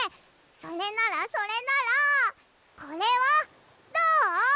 それならそれならこれはどう？